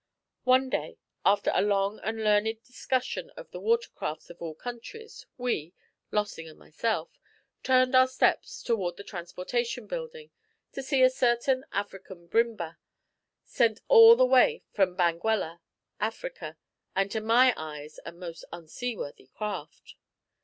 One day, after a long and learned discussion of the water crafts of all countries, we, Lossing and myself, turned our steps toward the Transportation Building to see a certain African brinba, sent all the way from Banguella, Africa, and, to my eyes, a most unseaworthy craft.